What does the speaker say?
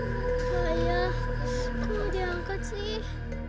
bahaya kok mau diangkat sih